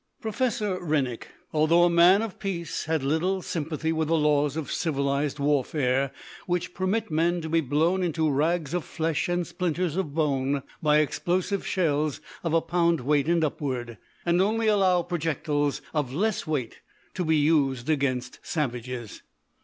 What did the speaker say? Professor Rennick, although a man of peace, had little sympathy with the laws of "civilised" warfare which permit men to be blown into rags of flesh and splinters of bone by explosive shells of a pound weight and upward, and only allow projectiles of less weight to be used against "savages."